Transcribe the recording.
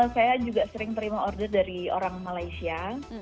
saya juga sering terima order dari orang malaysia